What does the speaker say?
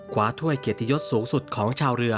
ถ้วยเกียรติยศสูงสุดของชาวเรือ